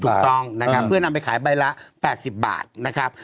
ภูมิเลยครับเพื่อนำไปขายใบละ๘๐บาทนะครับ